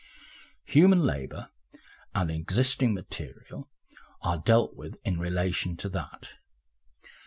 Human labour and existing material are dealt with in relation to that.